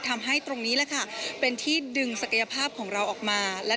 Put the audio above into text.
ทำให้ตรงนี้แหละค่ะเป็นที่ดึงศักยภาพของเราออกมา